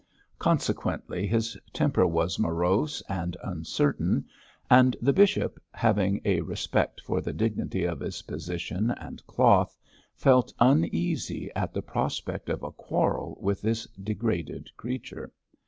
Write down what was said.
Consequently his temper was morose and uncertain, and the bishop, having a respect for the dignity of his position and cloth, felt uneasy at the prospect of a quarrel with this degraded creature.